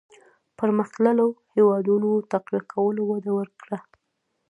پرمختلليو هېوادونو تقويه کولو وده ورکړه.